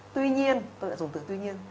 tuy nhiên tôi đã dùng từ tuy nhiên